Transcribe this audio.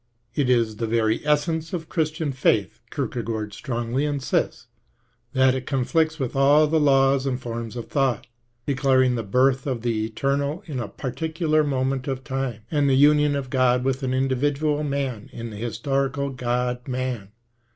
It is of the very essence of Christian faith, Kierkegaard strongly insists, that it conflicts with all the laws and forms of thought, declaring the birth of the eternal in a par ticular moment of time, and the union of God with an individual man in the historical God man.